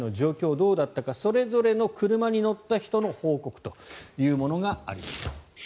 どうだったかそれぞれの車に乗った人の報告というものがあります。